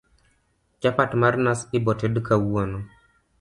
chapat mar nas iboted kawuono